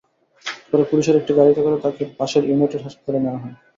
পরে পুলিশের একটি গাড়িতে করে তাঁকে পাশের ইউনাইটেড হাসপাতালে নেওয়া হয়।